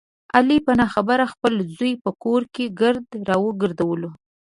علي په نه خبره خپل زوی په کور کې ګرد را وګډولو.